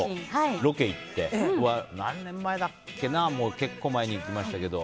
ロケに行って、何年前だっけな結構前に行きましたけど。